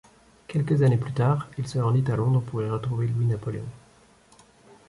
Quelques années plus tard, il se rendit à Londres pour y retrouver Louis-Napoléon.